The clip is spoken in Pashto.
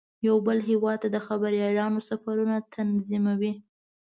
یو بل هیواد ته د خبریالانو سفرونه تنظیموي.